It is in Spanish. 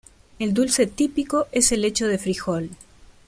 El dulce típico es el hecho de fríjol.